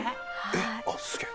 えっあっすげえ。